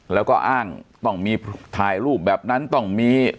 แล้วก็อ้างต้องมีถ่ายรูปแบบนั้นต้องมี